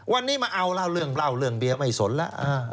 วันนี้มาเอาเรื่องเบียร์ไม่สนแล้ว